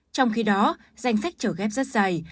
trong khi đó danh sách chở ghép rất dài